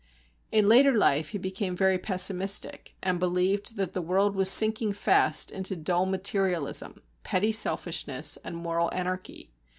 In later life he became very pessimistic, and believed that the world was sinking fast into dull materialism, petty selfishness, and moral anarchy.